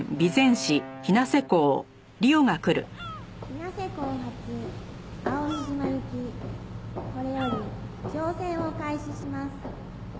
「日生港発蒼海島行きこれより乗船を開始します」